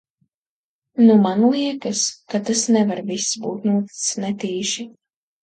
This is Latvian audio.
Nu, man liekas, ka tas nevar vis būt noticis netīši.